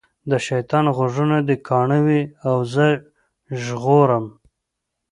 د شیطان غوږونه دي کاڼه وي او زه ژغورم.